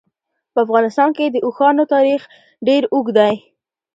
په افغانستان کې د اوښانو تاریخ ډېر اوږد دی.